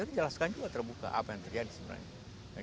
itu dijelaskan juga terbuka apa yang terjadi sebenarnya